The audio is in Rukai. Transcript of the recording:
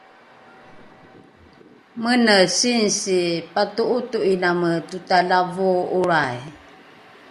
mene singsi pato’oto’iname totalavoo’olrai